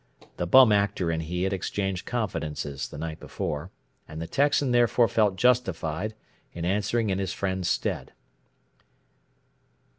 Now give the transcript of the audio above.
The Bum Actor and he had exchanged confidences the night before, and the Texan therefore felt justified in answering in his friend's stead.